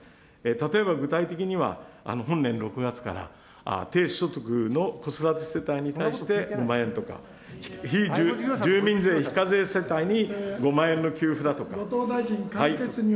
例えば具体的には、本年６月から低所得の子育て世帯に対して万円とか、非住民税非後藤大臣、簡潔にお願いします。